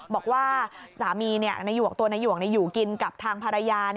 บอกว่าสามีตัวนายหวกอยู่กินกับทางภรรยา